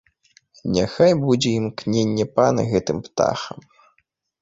Няхай будзе імкненне пана гэтым птахам!